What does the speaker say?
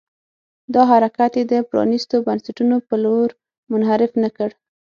دا حرکت یې د پرانيستو بنسټونو په لور منحرف نه کړ.